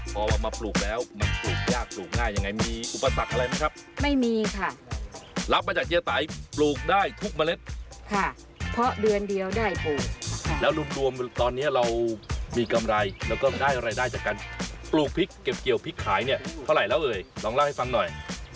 พอเอามาปลูกแล้วมันปลูกยากปลูกง่ายยังไงมีอุปสรรคอะไรไหมครับไม่มีค่ะรับมาจากเย้ไตปลูกได้ทุกเมล็ดค่ะเพราะเดือนเดียวได้ปลูกแล้วรวมรวมตอนนี้เรามีกำไรแล้วก็ได้รายได้จากการปลูกพริกเก็บเกี่ยวพริกขายเนี่ยเท่าไหร่แล้วเอ่ยลองเล่าให้ฟังหน่อย